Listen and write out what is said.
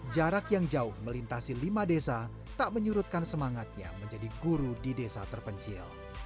jarak yang jauh melintasi lima desa tak menyurutkan semangatnya menjadi guru di desa terpencil